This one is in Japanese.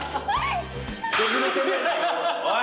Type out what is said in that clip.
おい！